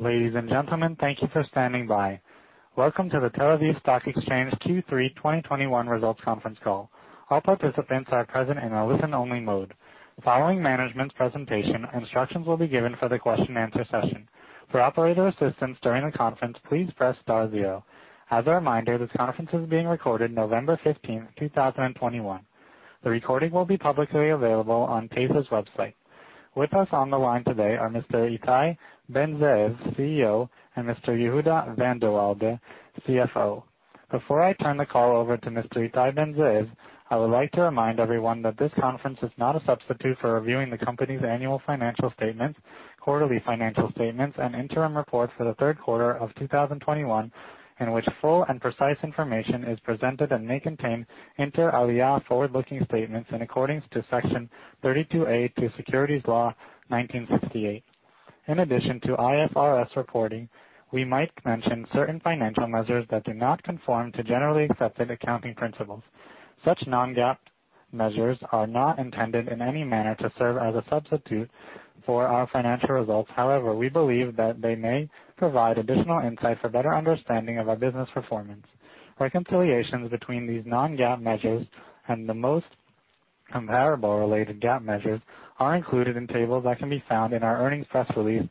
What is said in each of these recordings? Ladies and gentlemen, thank you for standing by. Welcome to the Tel Aviv Stock Exchange Q3 2021 Results Conference Call. All participants are present in a listen-only mode. Following management's presentation, instructions will be given for the question and answer session. For operator assistance during the conference, please press star zero. As a reminder, this conference is being recorded November fifteenth, two thousand and twenty-one. The recording will be publicly available on TASE's website. With us on the line today are Mr. Ittai Ben-Zeev, CEO, and Mr. Yehuda van der Walde, CFO. Before I turn the call over to Mr. Ittai Ben-Zeev, I would like to remind everyone that this conference is not a substitute for reviewing the company's annual financial statements, quarterly financial statements, and interim report for the third quarter of 2021, in which full and precise information is presented and may contain inter alia forward-looking statements in accordance with Section 32A of the Securities Law, 1968. In addition to IFRS reporting, we might mention certain financial measures that do not conform to generally accepted accounting principles. Such non-GAAP measures are not intended in any manner to serve as a substitute for our financial results. However, we believe that they may provide additional insight for better understanding of our business performance. Reconciliations between these non-GAAP measures and the most comparable related GAAP measures are included in tables that can be found in our earnings press release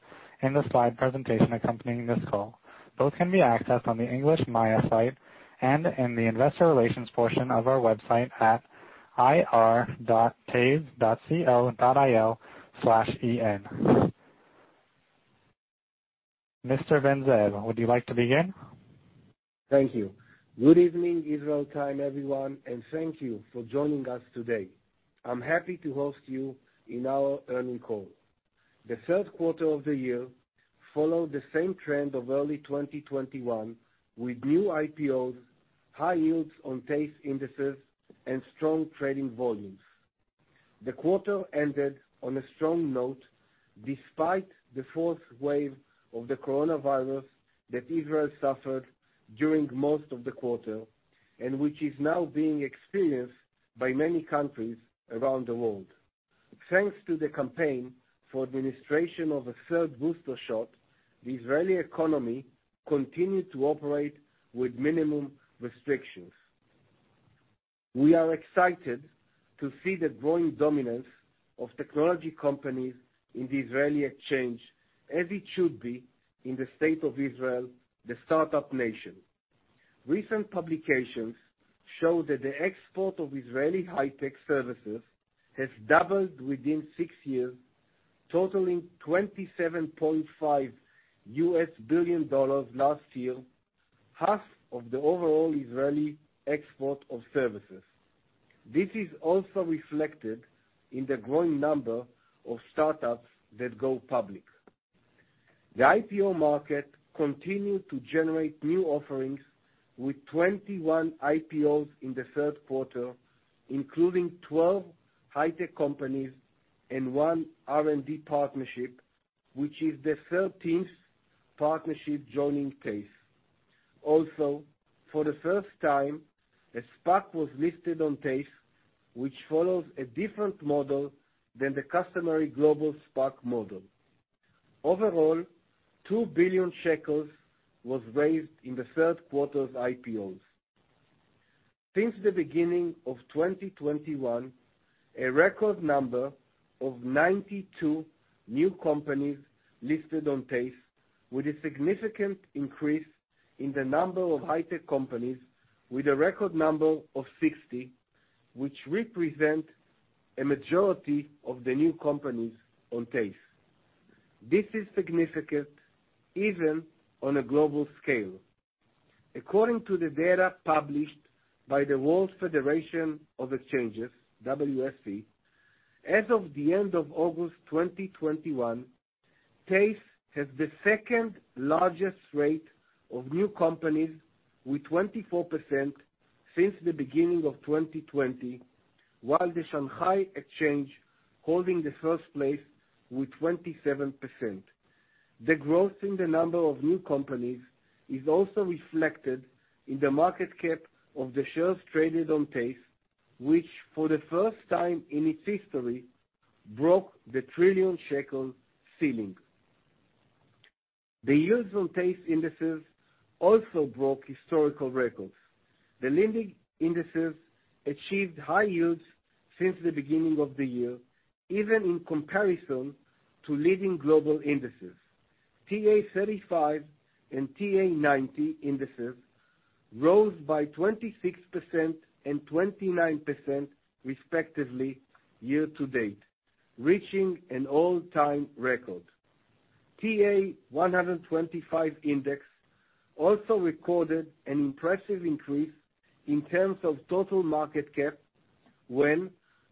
in the slide presentation accompanying this call. Both can be accessed on the English MAYA site and in the investor relations portion of our website at ir.tase.co.il/en. Mr. Ben-Zeev Thank you. Good evening Israel time, everyone, and thank you for joining us today. I'm happy to host you in our earnings call. The third quarter of the year followed the same trend of early 2021 with new IPOs, high yields on TASE indices, and strong trading volumes. The quarter ended on a strong note despite the fourth wave of the coronavirus that Israel suffered during most of the quarter, and which is now being experienced by many countries around the world. Thanks to the campaign for administration of a third booster shot, the Israeli economy continued to operate with minimum restrictions. We are excited to see the growing dominance of technology companies in the Israeli exchange as it should be in the state of Israel, the start-up nation. Recent publications show that the export of Israeli high-tech services has doubled within six years, totaling $27.5 billion last year, half of the overall Israeli export of services. This is also reflected in the growing number of startups that go public. The IPO market continued to generate new offerings with 21 IPOs in the third quarter, including 12 high-tech companies and one R&D partnership, which is the 13th partnership joining TASE. Also, for the first time, a SPAC was listed on TASE, which follows a different model than the customary global SPAC model. Overall, two billion shekels was raised in the third quarter's IPOs. Since the beginning of 2021, a record number of 92 new companies listed on TASE with a significant increase in the number of high-tech companies with a record number of 60, which represent a majority of the new companies on TASE. This is significant even on a global scale. According to the data published by the World Federation of Exchanges, WFE, as of the end of August 2021, TASE has the second-largest rate of new companies with 24% since the beginning of 2020, while the Shanghai Stock Exchange holding the first place with 27%. The growth in the number of new companies is also reflected in the market cap of the shares traded on TASE, which for the first time in its history broke the 1 trillion shekel ceiling. The yields on TASE indices also broke historical records. The leading indices achieved high yields since the beginning of the year, even in comparison to leading global indices. TA-35 and TA-90 indices rose by 26% and 29% respectively year to date, reaching an all-time record. TA-125 index also recorded an impressive increase in terms of total market cap when,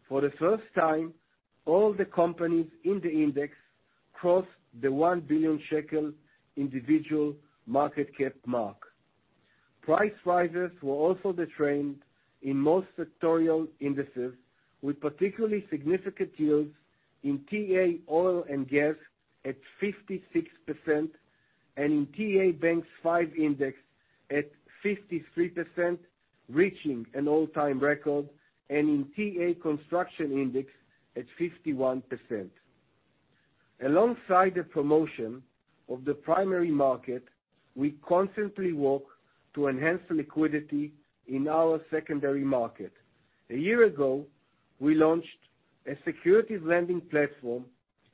for the first time, all the companies in the index crossed the 1 billion shekel individual market cap mark. Price rises were also the trend in most sectoral indices, with particularly significant yields in TA-Oil & Gas at 56% and in TA-Banks5 index at 53%, reaching an all-time record, and in TA-Construction Index at 51%. Alongside the promotion of the primary market, we constantly work to enhance liquidity in our secondary market. A year ago, we launched a securities lending platform,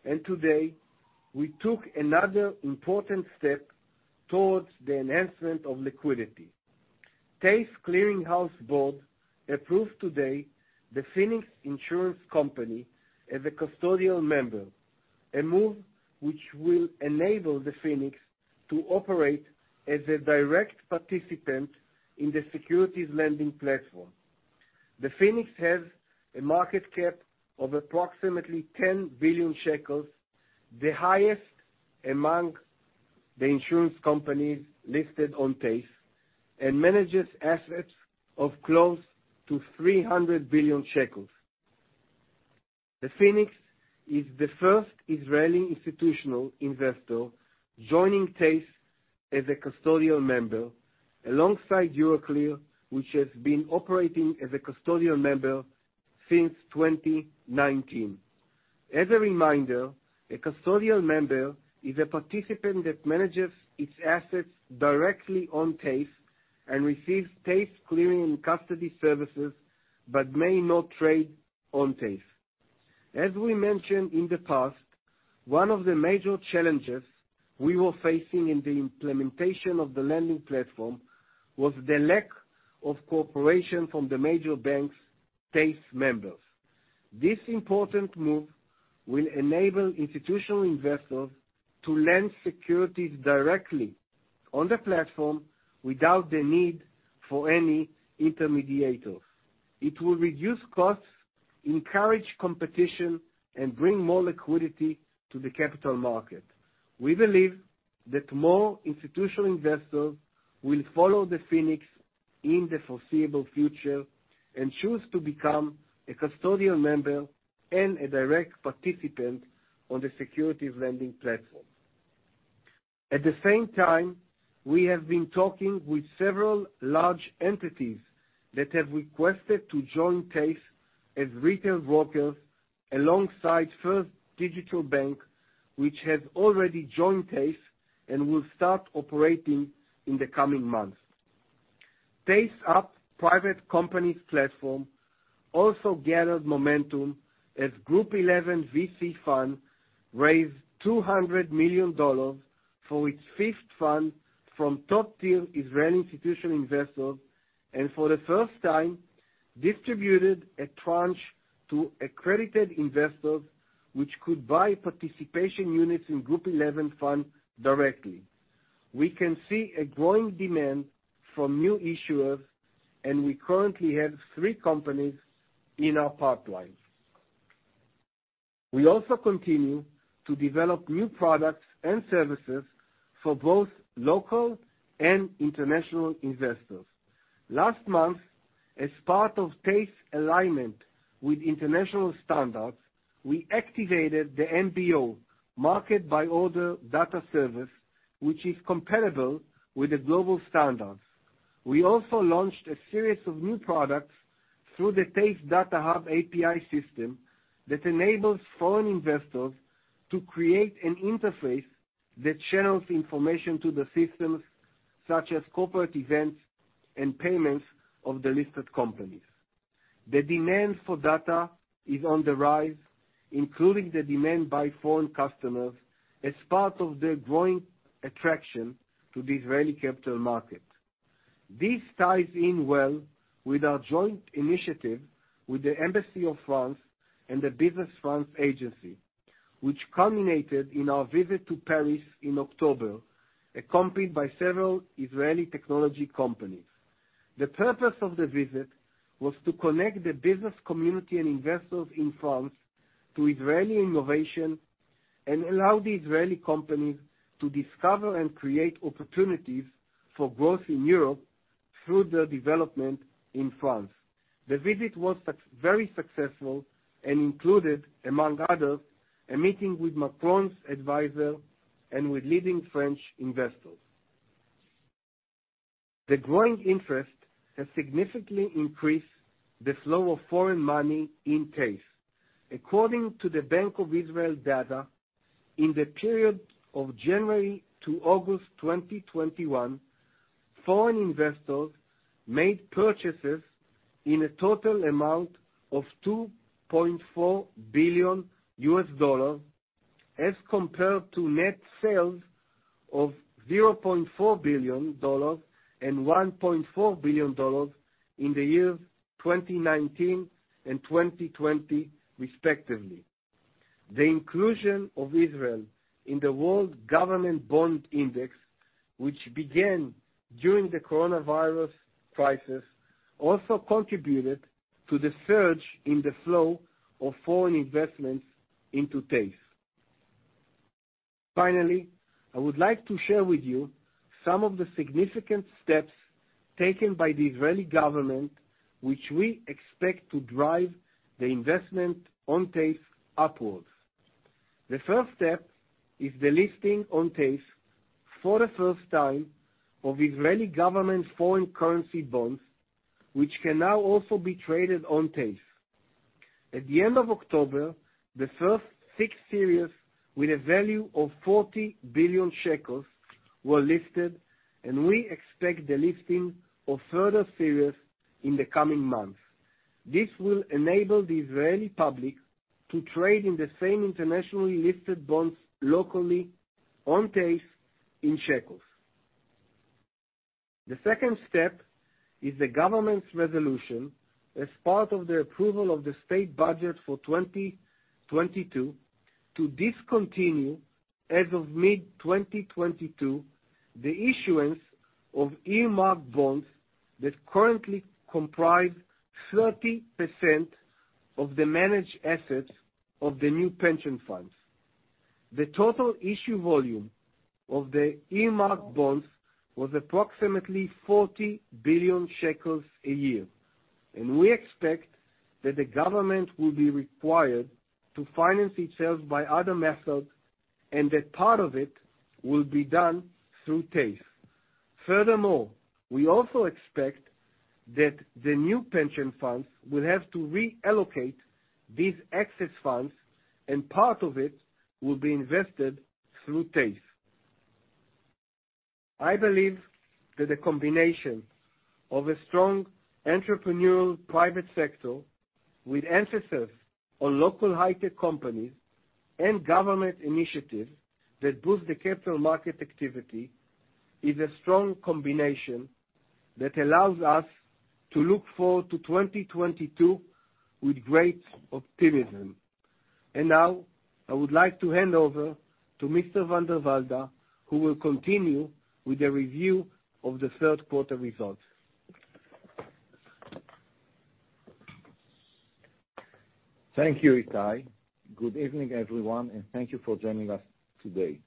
and today we took another important step towards the enhancement of liquidity. TASE Clearing House Board approved today The Phoenix Insurance Company Ltd. as a Custodial Member, a move which will enable The Phoenix to operate as a direct participant in the securities lending platform. The Phoenix has a market cap of approximately 10 billion shekels, the highest among the insurance companies listed on TASE, and manages assets of close to 300 billion shekels. The Phoenix is the first Israeli institutional investor joining TASE as a custodial member, alongside Euroclear, which has been operating as a custodial member since 2019. As a reminder, a custodial member is a participant that manages its assets directly on TASE and receives TASE clearing and custody services, but may not trade on TASE. As we mentioned in the past, one of the major challenges we were facing in the implementation of the lending platform was the lack of cooperation from the major banks, TASE members. This important move will enable institutional investors to lend securities directly on the platform without the need for any intermediaries. It will reduce costs, encourage competition, and bring more liquidity to the capital market. We believe that more institutional investors will follow the Phoenix in the foreseeable future and choose to become a custodial member and a direct participant on the securities lending platform. At the same time, we have been talking with several large entities that have requested to join TASE as retail brokers alongside ONE ZERO Digital Bank, which has already joined TASE and will start operating in the coming months. TASE UP private companies platform also gathered momentum as Group 11 VC Fund raised $200 million for its fifth fund from top-tier Israeli institutional investors. For the first time, distributed a tranche to accredited investors which could buy participation units in Group 11 fund directly. We can see a growing demand from new issuers, and we currently have three companies in our pipeline. We also continue to develop new products and services for both local and international investors. Last month, as part of TASE alignment with international standards, we activated the MBO, market by order data service, which is comparable with the global standards. We also launched a series of new products through the TASE Data Hub API system that enables foreign investors to create an interface that channels information to the systems, such as corporate events and payments of the listed companies. The demand for data is on the rise, including the demand by foreign customers as part of their growing attraction to the Israeli capital market. This ties in well with our joint initiative with the Embassy of France and Business France, which culminated in our visit to Paris in October, accompanied by several Israeli technology companies. The purpose of the visit was to connect the business community and investors in France to Israeli innovation and allow the Israeli companies to discover and create opportunities for growth in Europe through their development in France. The visit was very successful and included, among others, a meeting with Macron's advisor and with leading French investors. The growing interest has significantly increased the flow of foreign money in TASE. According to the Bank of Israel data, in the period of January to August 2021, foreign investors made purchases in a total amount of $2.4 billion as compared to net sales of $0.4 billion and $1.4 billion in the years 2019 and 2020 respectively. The inclusion of Israel in the World Government Bond Index, which began during the coronavirus crisis, also contributed to the surge in the flow of foreign investments into TASE. Finally, I would like to share with you some of the significant steps taken by the Israeli government, which we expect to drive the investment on TASE upwards. The first step is the listing on TASE for the first time of Israeli government foreign currency bonds, which can now also be traded on TASE. At the end of October, the first six series with a value of 40 billion shekels were listed, and we expect the listing of further series in the coming months. This will enable the Israeli public to trade in the same internationally listed bonds locally on TASE in shekels. The second step is the government's resolution as part of the approval of the state budget for 2022 to discontinue, as of mid-2022, the issuance of earmarked bonds that currently comprise 30% of the managed assets of the new pension funds. The total issue volume of the earmarked bonds was approximately 40 billion shekels a year. We expect that the government will be required to finance itself by other methods, and that part of it will be done through TASE. Furthermore, we also expect that the new pension funds will have to reallocate these excess funds, and part of it will be invested through TASE. I believe that the combination of a strong entrepreneurial private sector with emphasis on local high-tech companies and government initiatives that boost the capital market activity is a strong combination that allows us to look forward to 2022 with great optimism. Now, I would like to hand over to Mr. van der Walde, who will continue with a review of the third quarter results. Thank you, Ittai. Good evening, everyone, and thank you for joining us today.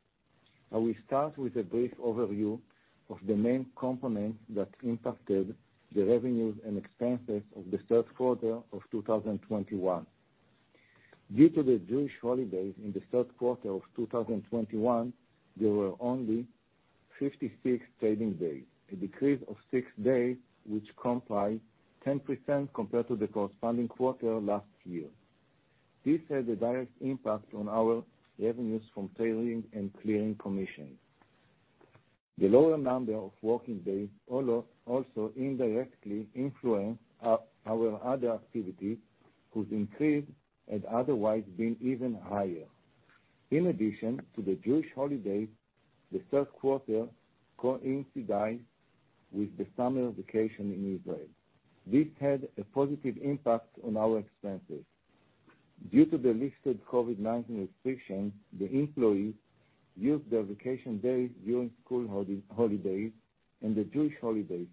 I will start with a brief overview of the main components that impacted the revenues and expenses of the third quarter of 2021. Due to the Jewish holidays in the third quarter of 2021, there were only 56 trading days, a decrease of 6 days, which comprise 10% compared to the corresponding quarter last year. This had a direct impact on our revenues from trading and clearing commission. The lower number of working days also indirectly influenced our other activity, whose increase had otherwise been even higher. In addition to the Jewish holidays, the third quarter coincided with the summer vacation in Israel. This had a positive impact on our expenses. Due to the lifted COVID-19 restrictions, the employees used their vacation days during school holidays and the Jewish holidays.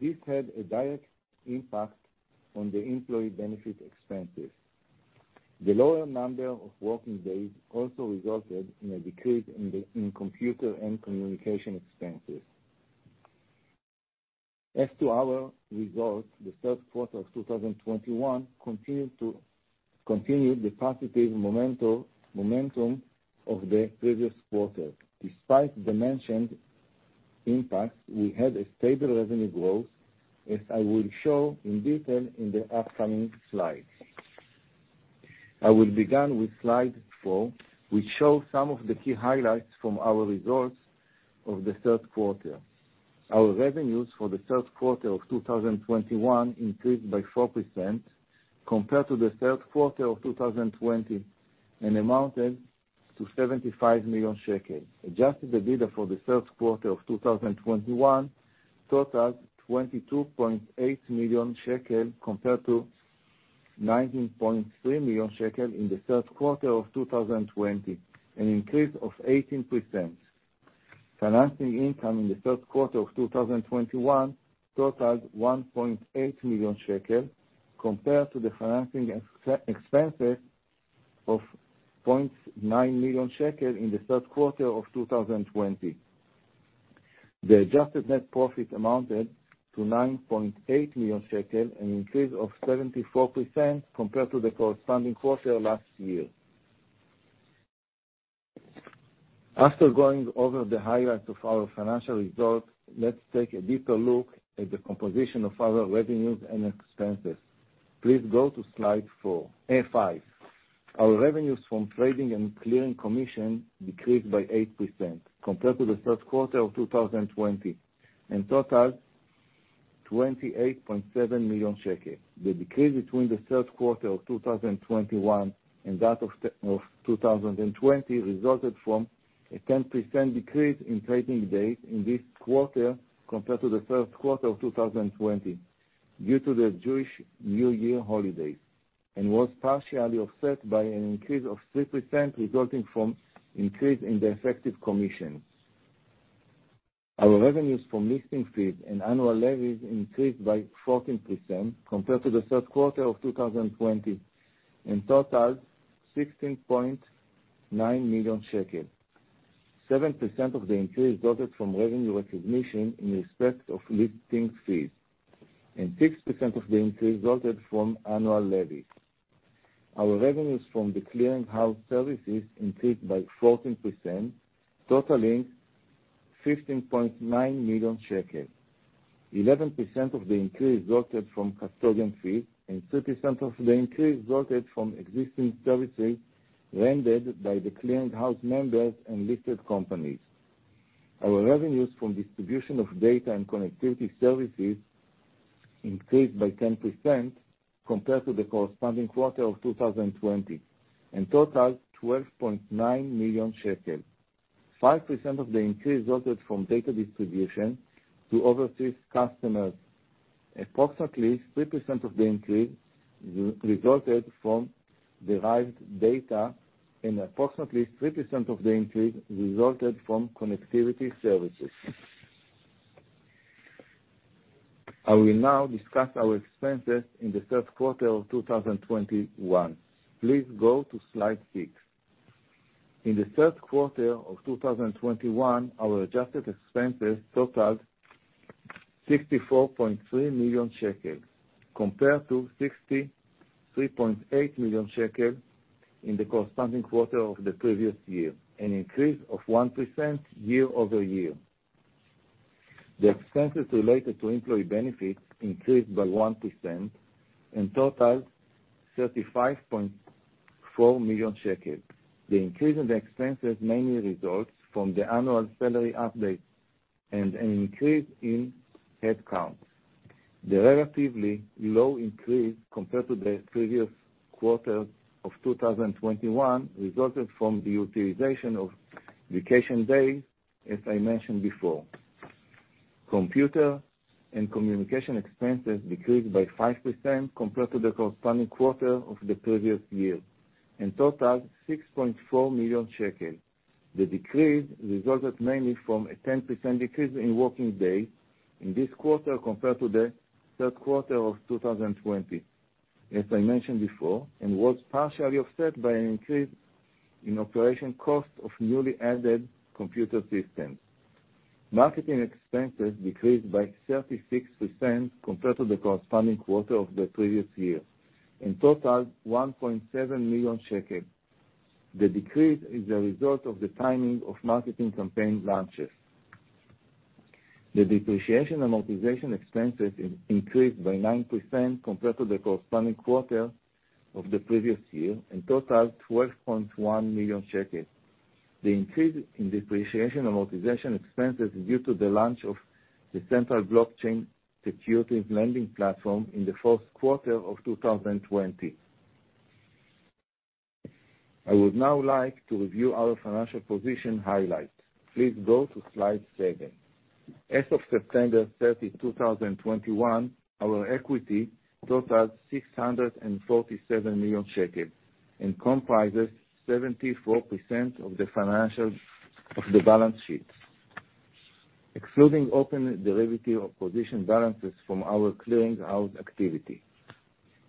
This had a direct impact on the employee benefit expenses. The lower number of working days also resulted in a decrease in computer and communication expenses. As to our results, the third quarter of 2021 continued the positive momentum of the previous quarter. Despite the mentioned impacts, we had a stable revenue growth, as I will show in detail in the upcoming slides. I will begin with slide 4, which shows some of the key highlights from our results of the third quarter. Our revenues for the third quarter of 2021 increased by 4% compared to the third quarter of 2020 and amounted to 75 million shekels. Adjusted EBITDA for the third quarter of 2021 totaled 22.8 million shekel compared to 19.3 million shekel in the third quarter of 2020, an increase of 18%. Financing income in the third quarter of 2021 totaled 1.8 million shekel compared to the financing expenses of 0.9 million shekel in the third quarter of 2020. The adjusted net profit amounted to 9.8 million shekel, an increase of 74% compared to the corresponding quarter last year. After going over the highlights of our financial results, let's take a deeper look at the composition of our revenues and expenses. Please go to slide five. Our revenues from trading and clearing commission decreased by 8% compared to the third quar ter of 2020, and totaled ILS 28.7 million. The decrease between the third quarter of 2021 and that of 2020 resulted from a 10% decrease in trading days in this quarter compared to the third quarter of 2020 due to the Jewish New Year holidays, and was partially offset by an increase of 3% resulting from increase in the effective commissions. Our revenues from listing fees and annual levies increased by 14% compared to the third quarter of 2020, and totaled 16.9 million shekels. Seven percent of the increase resulted from revenue recognition in respect of listing fees, and 6% of the increase resulted from annual levies. Our revenues from the clearing house services increased by 14%, totaling 15.9 million shekels. 11% of the increase resulted from custodian fees, and 3% of the increase resulted from existing services rendered by the clearing house members and listed companies. Our revenues from distribution of data and connectivity services increased by 10% compared to the corresponding quarter of 2020, and totaled 12.9 million shekels. 5% of the increase resulted from data distribution to overseas customers. Approximately 3% of the increase resulted from derived data, and approximately 3% of the increase resulted from connectivity services. I will now discuss our expenses in the third quarter of 2021. Please go to slide six. In the third quarter of 2021, our adjusted expenses totaled 64.3 million shekel compared to 63.8 million shekel in the corresponding quarter of the previous year, an increase of 1% year-over-year. The expenses related to employee benefits increased by 1% and totaled 35.4 million shekels. The increase in the expenses mainly results from the annual salary update and an increase in headcount. The relatively low increase compared to the previous quarter of 2021 resulted from the utilization of vacation days, as I mentioned before. Computer and communication expenses decreased by 5% compared to the corresponding quarter of the previous year, and totaled 6.4 million shekels. The decrease resulted mainly from a 10% decrease in working days in this quarter compared to the third quarter of 2020, as I mentioned before, and was partially offset by an increase in operation costs of newly added computer systems. Marketing expenses decreased by 36% compared to the corresponding quarter of the previous year, and totaled 1.7 million shekels. The decrease is a result of the timing of marketing campaign launches. The depreciation and amortization expenses increased by 9% compared to the corresponding quarter of the previous year, and totaled 12.1 million shekels. The increase in depreciation and amortization expenses is due to the launch of the Central Blockchain Securities Lending Platform in the first quarter of 2020. I would now like to review our financial position highlights. Please go to slide seven. As of September 30, 2021, our equity totals 647 million shekels and comprises 74% of the financials of the balance sheet, excluding open derivative and position balances from our clearing house activity.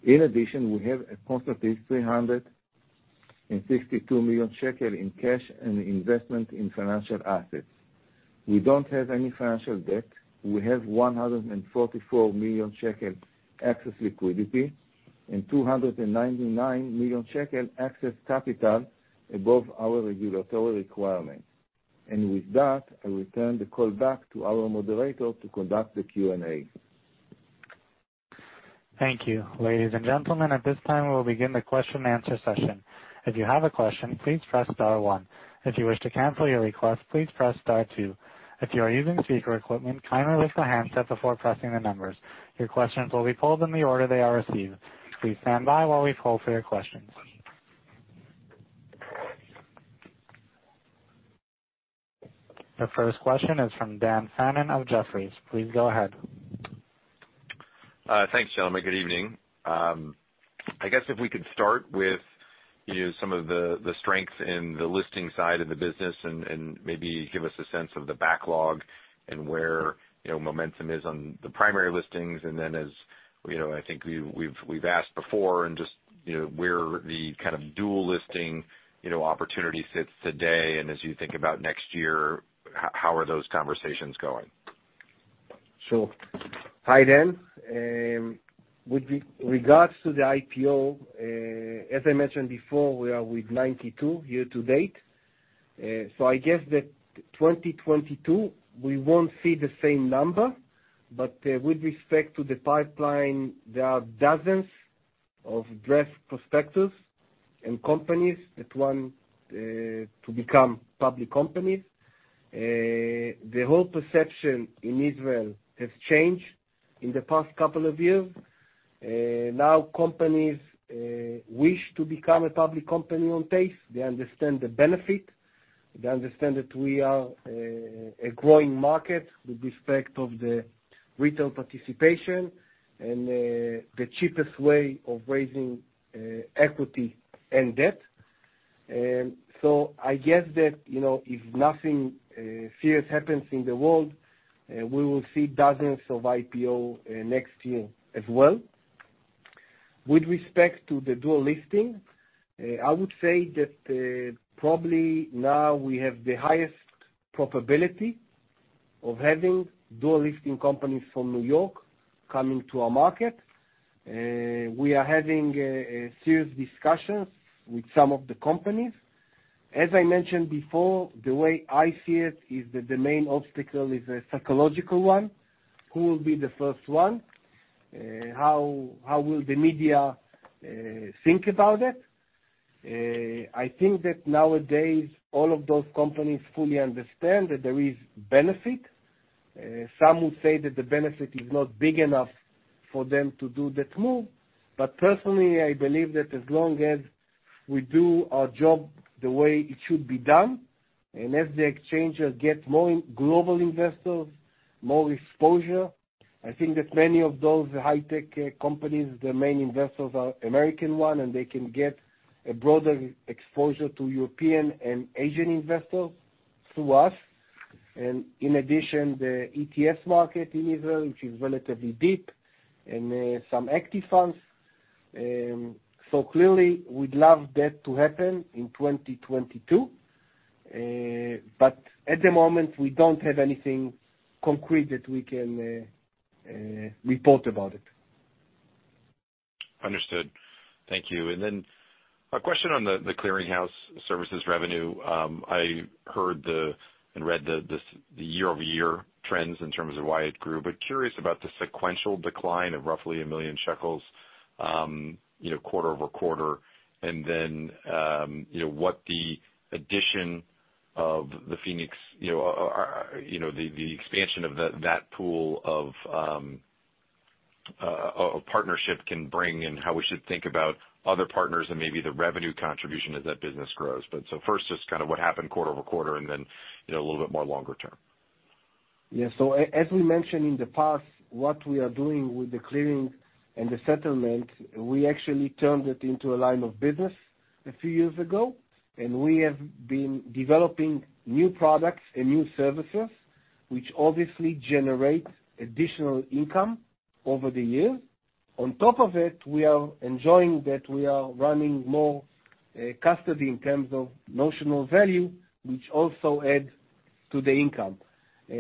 In addition, we have approximately 362 million shekel in cash and investment in financial assets. We don't have any financial debt. We have 144 million shekels excess liquidity and 299 million shekels excess capital above our regulatory requirements. With that, I return the call back to our moderator to conduct the Q&A. Thank you. Ladies and gentlemen, at this time, we'll begin the question and answer session. If you have a question, please press star one. If you wish to cancel your request, please press star two. If you are using speaker equipment, kindly lift the handset before pressing the numbers. Your questions will be pulled in the order they are received. Please stand by while we poll for your questions. The first question is from Dan Fannon's of Jefferies & Company Inc.. Please go ahead. Thanks, gentlemen. Good evening. I guess if we could start with, you know, some of the strengths in the listing side of the business and maybe give us a sense of the backlog and where, you know, momentum is on the primary listings. Then as you know, I think we've asked before and just, you know, where the kind of dual listing, you know, opportunity sits today, and as you think about next year, how are those conversations going? Sure. Hi, Dan. With regards to the IPO, as I mentioned before, we are with 92 year to date. I guess that 2022, we won't see the same number, but with respect to the pipeline, there are dozens of draft prospectuses and companies that want to become public companies. The whole perception in Israel has changed in the past couple of years. Now companies wish to become a public company on TASE. They understand the benefit. They understand that we are a growing market with respect to the retail participation and the cheapest way of raising equity and debt. I guess that, you know, if nothing serious happens in the world, we will see dozens of IPO next year as well. With respect to the dual listing, I would say that probably now we have the highest probability of having dual listing companies from New York coming to our market. We are having serious discussions with some of the companies. As I mentioned before, the way I see it is that the main obstacle is a psychological one. Who will be the first one? How will the media think about it? I think that nowadays all of those companies fully understand that there is benefit. Some would say that the benefit is not big enough for them to do that move, but personally, I believe that as long as we do our job the way it should be done, and as the exchanges get more global investors, more exposure, I think that many of those high tech companies, their main investors are American ones, and they can get a broader exposure to European and Asian investors through us. In addition, the ETFs market in Israel, which is relatively deep, and some active funds. So clearly we'd love that to happen in 2022, but at the moment, we don't have anything concrete that we can report about it. Understood. Thank you. A question on the clearinghouse services revenue. I heard and read the year-over-year trends in terms of why it grew, but curious about the sequential decline of roughly 1 million shekels, you know, quarter-over-quarter. What the addition of the Phoenix, the expansion of that pool of partnership can bring and how we should think about other partners and maybe the revenue contribution as that business grows. First, just kind of what happened quarter-over-quarter, and then, you know, a little bit more longer term. Yeah. As we mentioned in the past, what we are doing with the clearing and the settlement, we actually turned it into a line of business a few years ago, and we have been developing new products and new services, which obviously generate additional income over the years. On top of it, we are enjoying that we are running more custody in terms of notional value, which also adds to the income.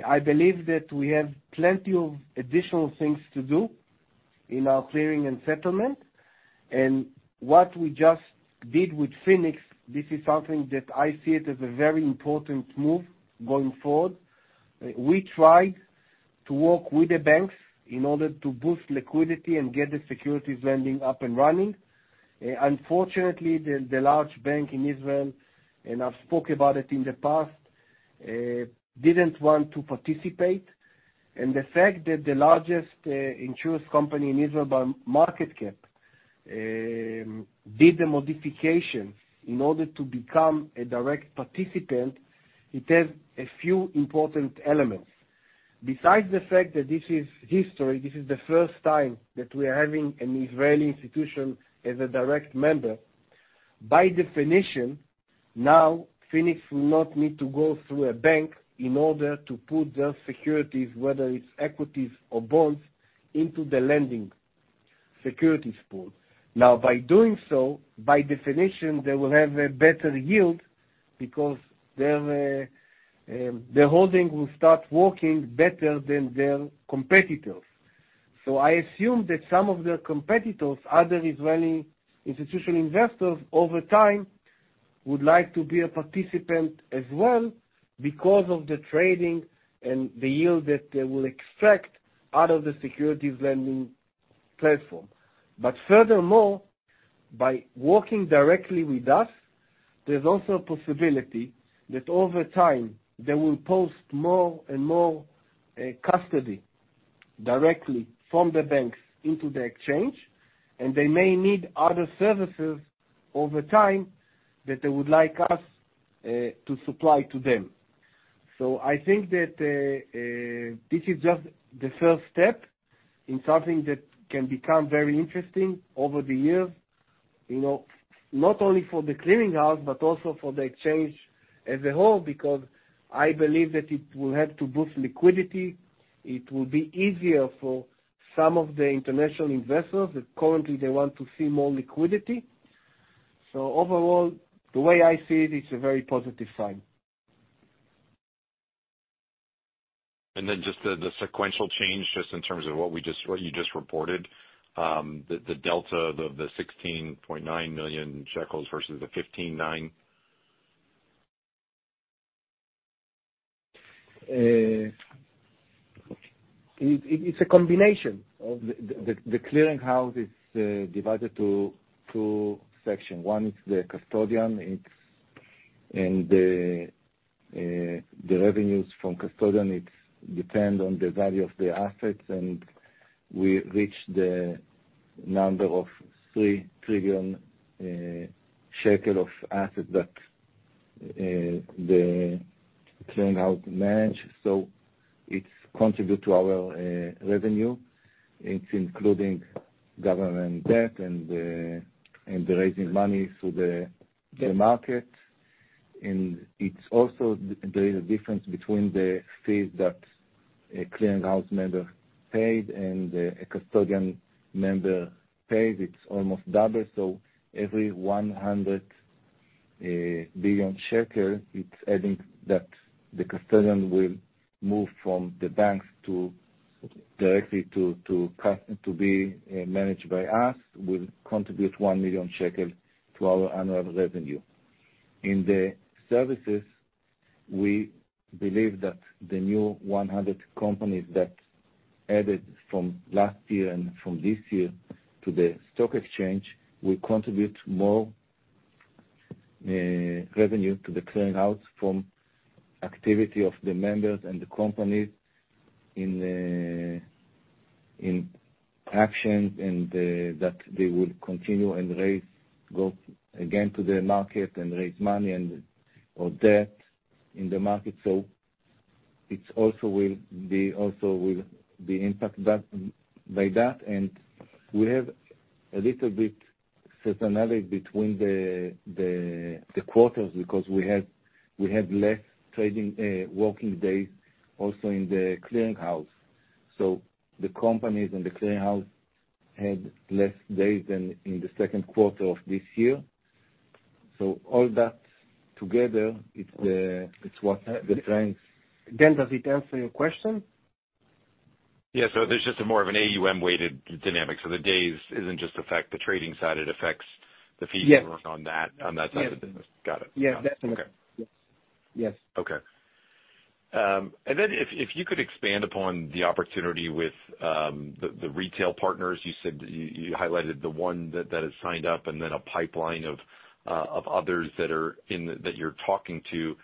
I believe that we have plenty of additional things to do in our clearing and settlement. What we just did with Phoenix, this is something that I see it as a very important move going forward. We tried to work with the banks in order to boost liquidity and get the securities lending up and running. Unfortunately, the large bank in Israel, and I've spoken about it in the past, didn't want to participate. The fact that the largest insurance company in Israel by market cap did the modification in order to become a direct participant, it has a few important elements. Besides the fact that this is history, this is the first time that we are having an Israeli institution as a direct member. By definition, now Phoenix will not need to go through a bank in order to put their securities, whether it's equities or bonds, into the lending securities pool. Now, by doing so, by definition, they will have a better yield because their holding will start working better than their competitors. I assume that some of their competitors, other Israeli institutional investors over time, would like to be a participant as well because of the trading and the yield that they will extract out of the securities lending platform. Furthermore, by working directly with us, there's also a possibility that over time, they will post more and more custody directly from the banks into the exchange, and they may need other services over time that they would like us to supply to them. I think that this is just the first step in something that can become very interesting over the years, you know, not only for the clearing house, but also for the exchange as a whole, because I believe that it will help to boost liquidity. It will be easier for some of the international investors that currently they want to see more liquidity. Overall, the way I see it's a very positive sign. Just the sequential change, just in terms of what you just reported, the delta, the 16.9 million shekels versus the 15.9 million. The Clearing House is divided into two sections. One is the custodian. The revenues from custodian depend on the value of the assets, and we reached the number of 3 trillion shekel of assets that the Clearing House manages. It contributes to our revenue. It's including government debt and raising money through the market. There is a difference between the fees that a Clearing House member paid and a custodian member pays, it's almost double. Every 100 billion shekel, it's adding that the custodian will move from the banks to directly to be managed by us, will contribute 1 million shekel to our annual revenue. In the services, we believe that the new 100 companies that added from last year and from this year to the stock exchange will contribute more revenue to the clearing house from activity of the members and the companies in transactions, and that they would continue and raise, go again to the market and raise money and/or debt in the market. It also will be impact that by that, and we have a little bit seasonality between the quarters because we have less trading working days also in the clearing house. The companies in the clearing house had less days than in the second quarter of this year. All that together, it's what the trends. Dan, does it answer your question? Yeah. There's just more of an AUM-weighted dynamic. It doesn't just affect the trading side, it affects the fees- Yes. You earn on that side of the business. Yes. Got it. Yeah, definitely. Okay. Yes. Yes. Okay. If you could expand upon the opportunity with the retail partners, you said you highlighted the one that has signed up and then a pipeline of others that you're talking to.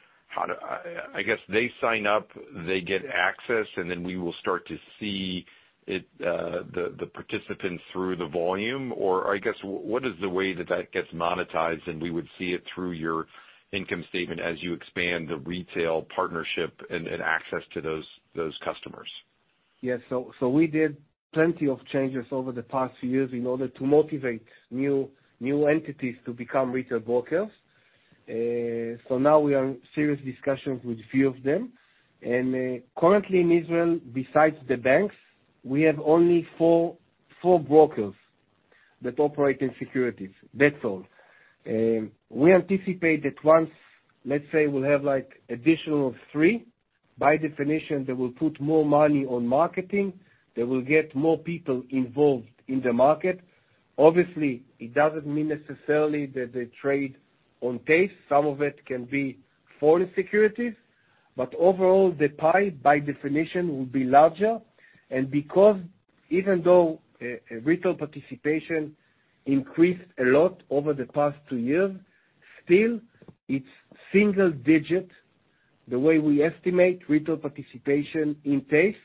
I guess they sign up, they get access, and then we will start to see the participants through the volume? Or I guess, what is the way that that gets monetized, and we would see it through your income statement as you expand the retail partnership and access to those customers? Yeah. We did plenty of changes over the past few years in order to motivate new entities to become retail brokers. Now we are in serious discussions with a few of them. Currently in Israel, besides the banks, we have only four brokers that operate in securities, that's all. We anticipate that once we'll have like additional three, by definition, they will put more money on marketing, they will get more people involved in the market. Obviously, it doesn't mean necessarily that they trade on TASE. Some of it can be foreign securities, but overall, the pie, by definition, will be larger. Because even though retail participation increased a lot over the past two years, still it's single digit, the way we estimate retail participation in TASE,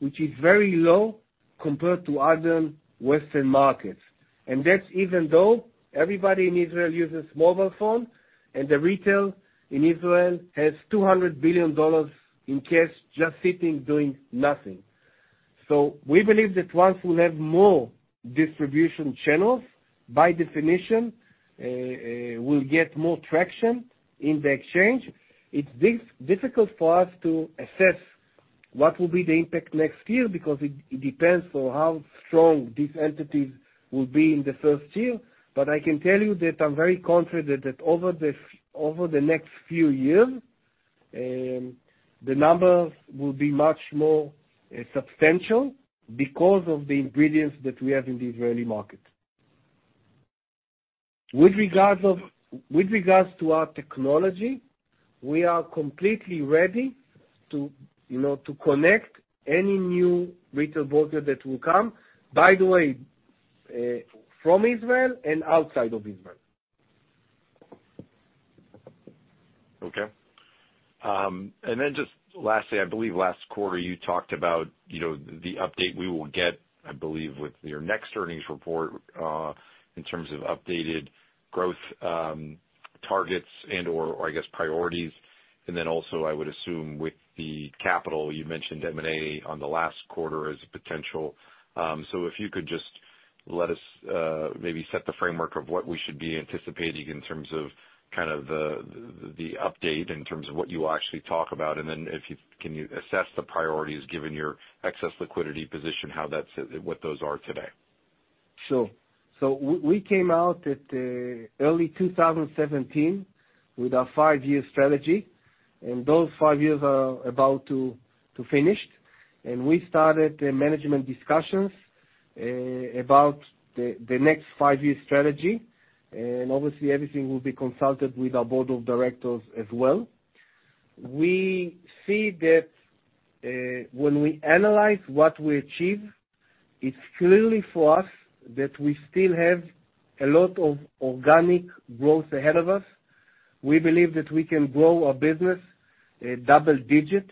which is very low compared to other Western markets. That's even though everybody in Israel uses mobile phone, and the retail in Israel has $200 billion in cash just sitting, doing nothing. We believe that once we'll have more distribution channels, by definition, we'll get more traction in the exchange. It's difficult for us to assess what will be the impact next year because it depends on how strong these entities will be in the first year. I can tell you that I'm very confident that over the next few years, the numbers will be much more substantial because of the ingredients that we have in the Israeli market. With regards to our technology, we are completely ready to, you know, to connect any new retail broker that will come. By the way, from Israel and outside of Israel. Okay. Just lastly, I believe last quarter you talked about, you know, the update we will get, I believe, with your next earnings report, in terms of updated growth targets and/or I guess priorities. Also, I would assume with the capital, you mentioned M&A in the last quarter as a potential. If you could just let us maybe set the framework of what we should be anticipating in terms of kind of the update, in terms of what you will actually talk about, and then can you assess the priorities given your excess liquidity position, how that's, what those are today? Sure. We came out in early 2017 with our five-year strategy, and those five years are about to finish. We started management discussions about the next five-year strategy, and obviously everything will be consulted with our board of directors as well. We see that when we analyze what we achieve, it's clearly for us that we still have a lot of organic growth ahead of us. We believe that we can grow our business double-digit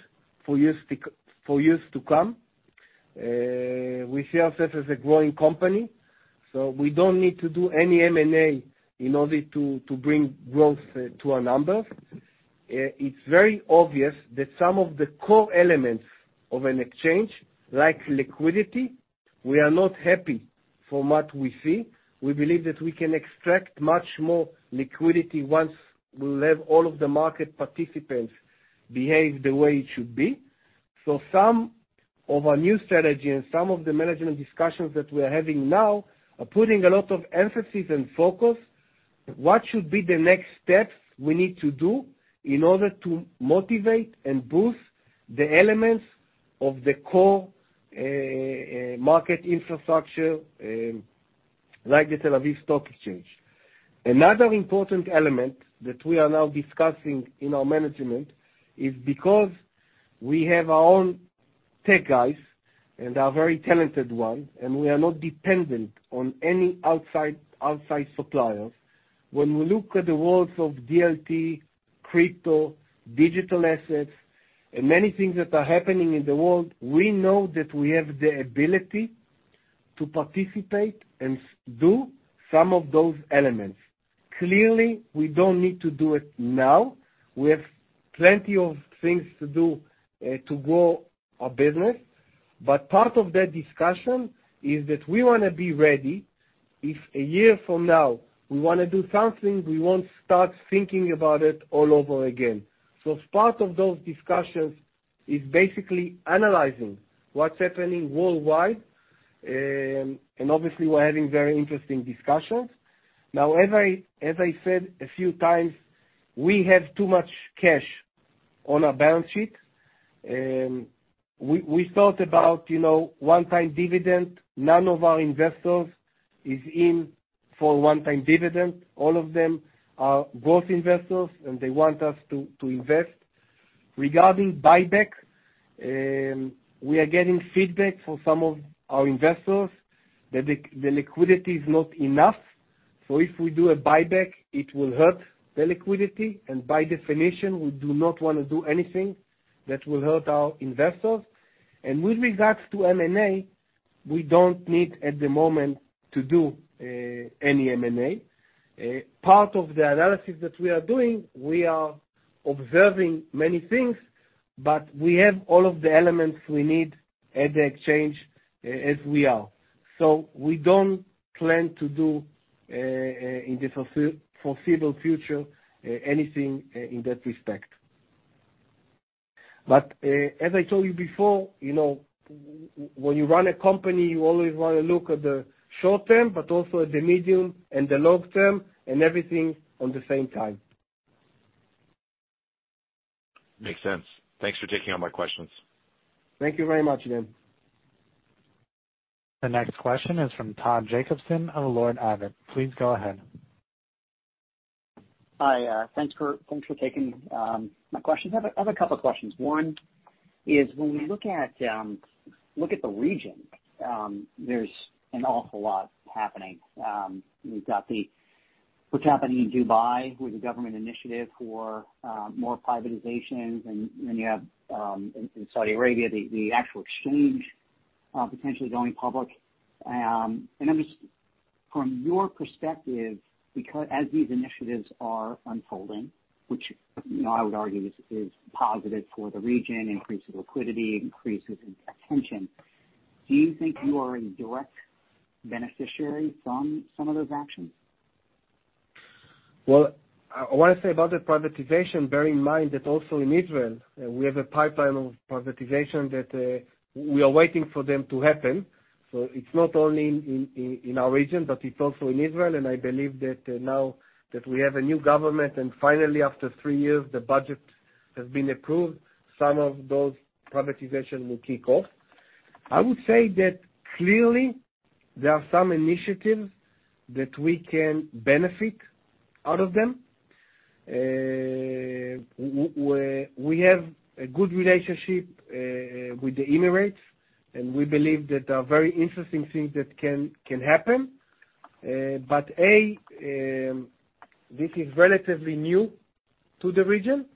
for years to come. We see ourselves as a growing company, so we don't need to do any M&A in order to bring growth to our numbers. It's very obvious that some of the core elements of an exchange, like liquidity. We are not happy from what we see. We believe that we can extract much more liquidity once we let all of the market participants behave the way it should be. Some of our new strategy and some of the management discussions that we're having now are putting a lot of emphasis and focus what should be the next steps we need to do in order to motivate and boost the elements of the core, market infrastructure, like the Tel Aviv Stock Exchange. Another important element that we are now discussing in our management is because we have our own tech guys, and they are very talented ones, and we are not dependent on any outside suppliers. When we look at the roles of DLT, crypto, digital assets, and many things that are happening in the world, we know that we have the ability to participate and do some of those elements. Clearly, we don't need to do it now. We have plenty of things to do to grow our business. Part of that discussion is that we wanna be ready. If a year from now we wanna do something, we won't start thinking about it all over again. Part of those discussions is basically analyzing what's happening worldwide, and obviously we're having very interesting discussions. Now, as I said a few times, we have too much cash on our balance sheet. We thought about, you know, one-time dividend. None of our investors is in for one-time dividend. All of them are growth investors, and they want us to invest. Regarding buyback, we are getting feedback from some of our investors that the liquidity is not enough, so if we do a buyback, it will hurt the liquidity, and by definition, we do not wanna do anything that will hurt our investors. With regards to M&A, we don't need at the moment to do any M&A. Part of the analysis that we are doing, we are observing many things, but we have all of the elements we need at the exchange as we are. We don't plan to do in the foreseeable future anything in that respect. As I told you before, you know, when you run a company, you always wanna look at the short term, but also at the medium and the long term, and everything on the same time. Makes sense. Thanks for taking all my questions. Thank you very much, Dan Fannon. The next question is from Tom Jacobson of Lorne Abbott. Please go ahead. Hi. Thanks for taking my questions. I have a couple of questions. One is when we look at the region, there's an awful lot happening. We've got what's happening in Dubai with the government initiative for more privatizations, and you have in Saudi Arabia the actual exchange potentially going public. From your perspective, as these initiatives are unfolding, which you know I would argue is positive for the region, increases liquidity, increases attention, do you think you are a direct beneficiary from some of those actions? Well, I wanna say about the privatization, bear in mind that also in Israel, we have a pipeline of privatization that we are waiting for them to happen. It's not only in our region, but it's also in Israel, and I believe that now that we have a new government and finally after three years the budget has been approved, some of those privatization will kick off. I would say that clearly there are some initiatives that we can benefit out of them. We have a good relationship with the Emirates, and we believe that there are very interesting things that can happen. This is relatively new to the region.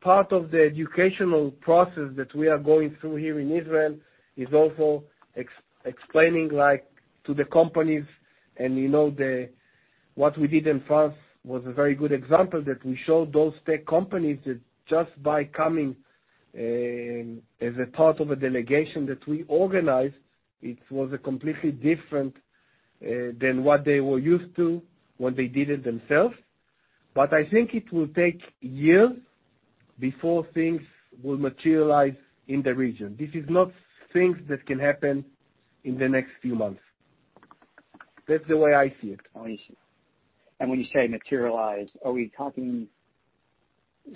Part of the educational process that we are going through here in Israel is also explaining, like, to the companies. You know, what we did in France was a very good example that we showed those tech companies that just by coming as a part of a delegation that we organized, it was a completely different than what they were used to when they did it themselves. But I think it will take years before things will materialize in the region. This is not things that can happen in the next few months. That's the way I see it. I see. When you say materialize, are we talking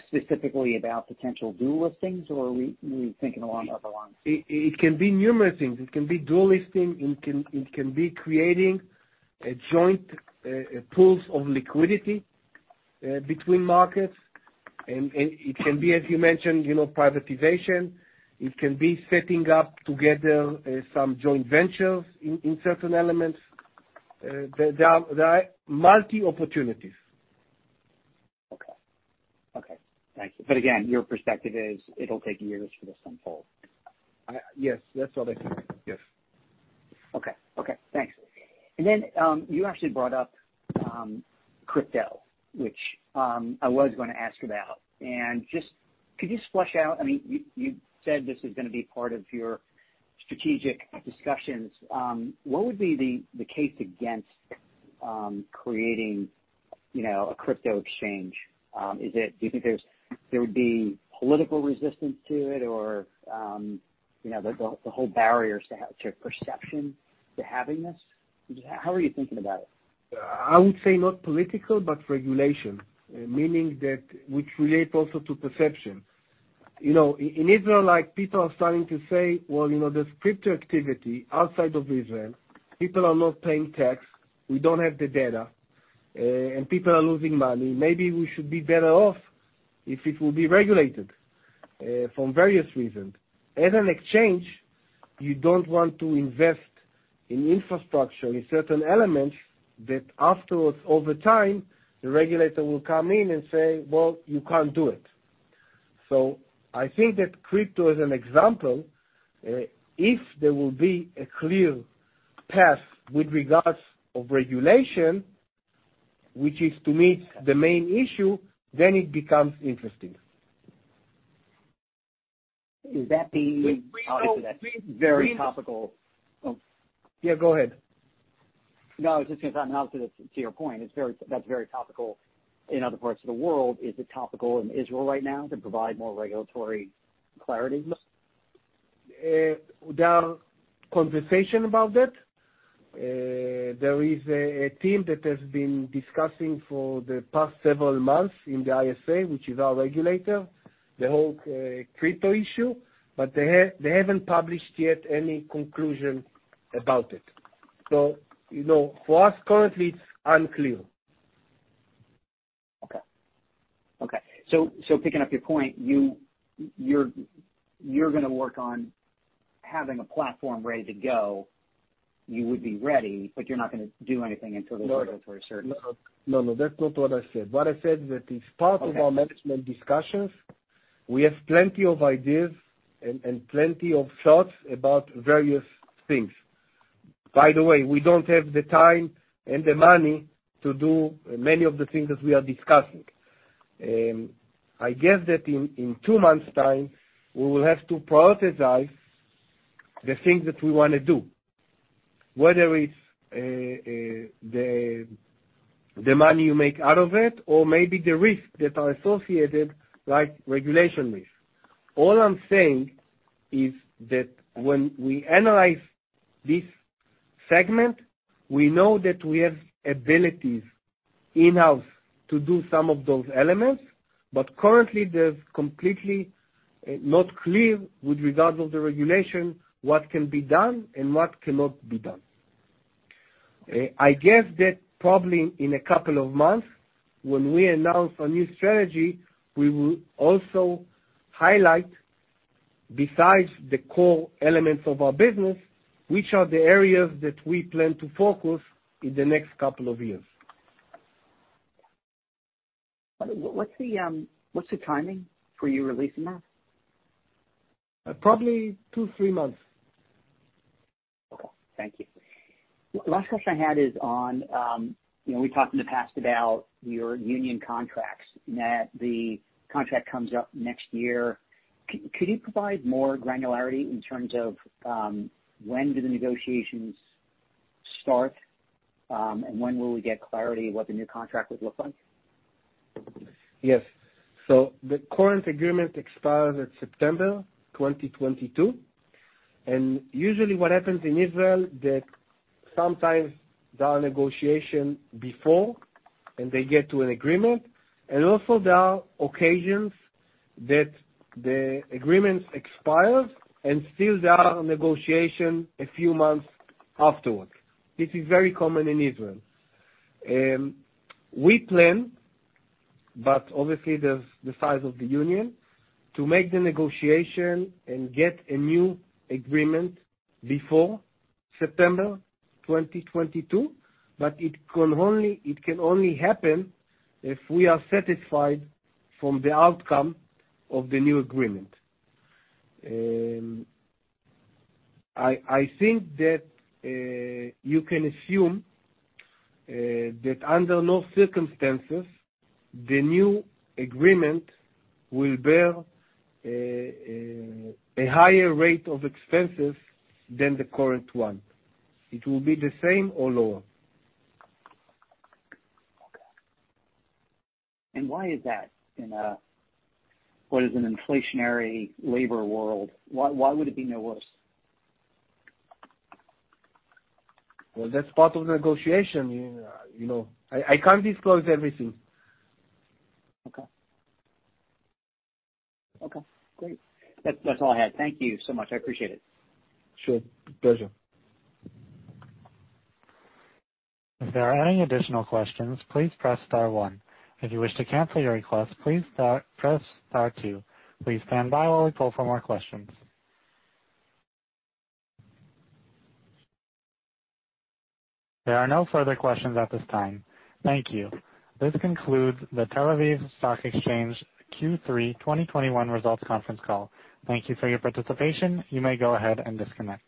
specifically about potential dual listings or are we thinking along other lines? It can be numerous things. It can be dual listing. It can be creating joint pools of liquidity between markets. It can be, as you mentioned, you know, privatization. It can be setting up together some joint ventures in certain elements. There are multiple opportunities. Okay. Thank you. Again, your perspective is it'll take years for this to unfold. Yes. That's what I said. Yes. Okay. Okay, thanks. Then you actually brought up crypto, which I was gonna ask about. Could you just flesh out, I mean, you said this is gonna be part of your strategic discussions. What would be the case against creating, you know, a crypto exchange? Do you think there would be political resistance to it or, you know, the whole barriers to perception to having this? How are you thinking about it? I would say not political, but regulation, meaning that which relate also to perception. You know, in Israel, like, people are starting to say, "Well, you know, there's crypto activity outside of Israel. People are not paying tax. We don't have the data, and people are losing money. Maybe we should be better off if it will be regulated, from various reasons." As an exchange, you don't want to invest in infrastructure, in certain elements that afterwards over time, the regulator will come in and say, "Well, you can't do it." I think that crypto as an example, if there will be a clear path with regards of regulation, which is to me the main issue, then it becomes interesting. Is that the- We-we- I'll get to that. We-we- Very topical. Oh. Yeah, go ahead. No, I was just gonna say, now to your point, that's very topical in other parts of the world. Is it topical in Israel right now to provide more regulatory clarity? There are conversation about that. There is a team that has been discussing for the past several months in the ISA, which is our regulator, the whole crypto issue, but they haven't published yet any conclusion about it. You know, for us currently, it's unclear. Okay, picking up your point, you're gonna work on having a platform ready to go. You would be ready, but you're not gonna do anything until No. The regulatory certainty. No, no, that's not what I said. What I said that is part- Okay. of our management discussions, we have plenty of ideas and plenty of thoughts about various things. By the way, we don't have the time and the money to do many of the things that we are discussing. I guess that in two months' time, we will have to prioritize the things that we wanna do, whether it's the money you make out of it or maybe the risks that are associated, like regulation risk. All I'm saying is that when we analyze this segment, we know that we have abilities in-house to do some of those elements, but currently they're completely not clear with regards of the regulation, what can be done and what cannot be done. I guess that probably in a couple of months when we announce our new strategy, we will also highlight besides the core elements of our business, which are the areas that we plan to focus in the next couple of years. What's the timing for you releasing that? Probably 2-3 months. Okay. Thank you. The last question I had is on, you know, we talked in the past about your union contracts, that the contract comes up next year. Could you provide more granularity in terms of, when do the negotiations start, and when will we get clarity what the new contract would look like? Yes. The current agreement expires at September 2022, and usually what happens in Israel that sometimes there are negotiation before, and they get to an agreement, and also there are occasions that the agreements expires and still there are negotiation a few months afterwards. This is very common in Israel. We plan, but obviously there's the size of the union, to make the negotiation and get a new agreement before September 2022, but it can only happen if we are satisfied from the outcome of the new agreement. I think that you can assume that under no circumstances the new agreement will bear a higher rate of expenses than the current one. It will be the same or lower. Okay. Why is that in an inflationary labor world? Why would it be no worse? Well, that's part of negotiation. You know, I can't disclose everything. Okay. Okay, great. That, that's all I had. Thank you so much. I appreciate it. Sure. Pleasure. Thank you. This concludes the Tel Aviv Stock Exchange Q3 2021 Results Conference Call. Thank you for your participation. You may go ahead and disconnect.